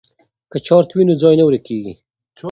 که چارت وي نو ځای نه ورکیږي.